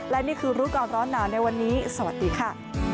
และนี่คือรู้ก่อนร้อนหนาวในวันนี้สวัสดีค่ะ